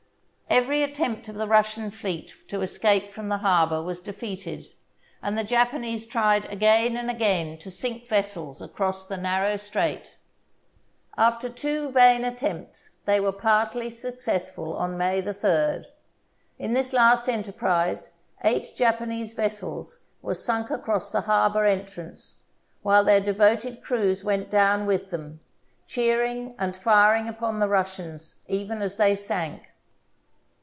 Every attempt of the Russian fleet to escape from the harbour was defeated, and the Japanese tried again and again to sink vessels across the narrow strait. After two vain attempts they were partly success ful on May 3d. In this last enterprise eight Japa nese vessels were sunk across the harbour entrance, while their devoted crews went down with them, cheering and firing upon the Russians even as they sank.